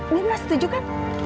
mirna setuju kan